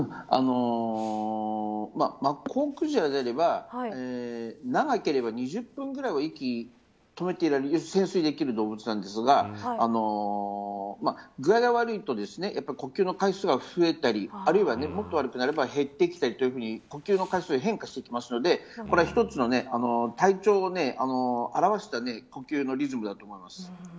マッコウクジラであれば長ければ２０分ぐらいは息を止めていられる潜水できる動物なんですが具合が悪いと呼吸の回数が増えたりあるいはもっと悪くなれば減ってきたりと呼吸の回数が変化してくるのでこれは一つの体調を表した呼吸のリズムだと思います。